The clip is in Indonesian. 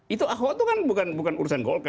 itu ahok itu kan bukan urusan golkar